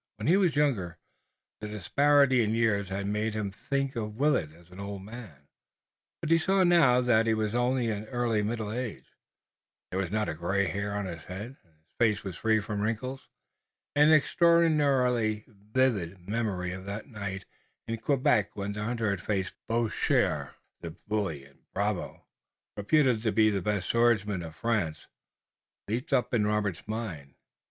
When he was younger, the disparity in years had made him think of Willet as an old man, but he saw now that he was only in early middle age. There was not a gray hair on his head, and his face was free from wrinkles. An extraordinarily vivid memory of that night in Quebec when the hunter had faced Boucher, the bully and bravo, reputed the best swordsman of France, leaped up in Robert's mind.